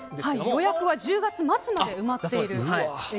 予約は１０月末まで埋まっているそうです。